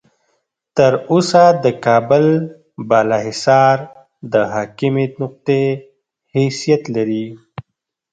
تر اوسه د کابل بالا حصار د حاکمې نقطې حیثیت لري.